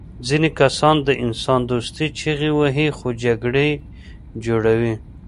ځینې کسان د انسان دوستۍ چیغې وهي خو جګړه جوړوي